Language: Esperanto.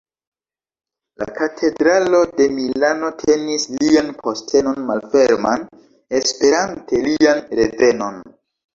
La katedralo de Milano tenis lian postenon malferman, esperante lian revenon.